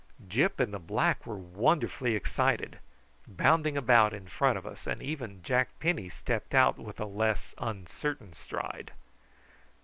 Gyp and the black were wonderfully excited, bounding about in front of us, and even Jack Penny stepped out with a less uncertain stride.